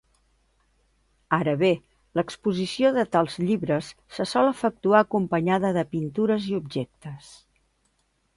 Ara bé, l'exposició de tals llibres se sol efectuar acompanyada de pintures i objectes.